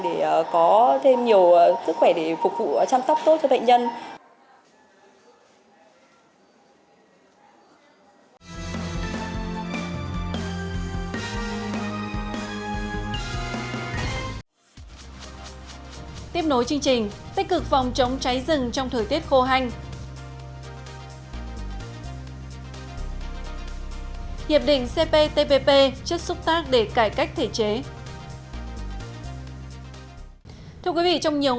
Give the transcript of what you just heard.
để có thêm nhiều sức khỏe để phục vụ chăm sóc tốt cho bệnh nhân